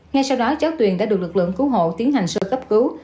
ngay sau đó cháu tuyền đã được lực lượng cứu hộ tiến hành sơ cấp cứu